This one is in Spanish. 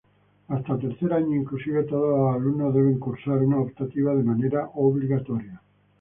Hasta tercer año inclusive, todos los alumnos deben cursar una optativa de manera obligatoria.